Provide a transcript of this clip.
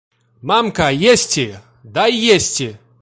Мамка, есці, дай есці!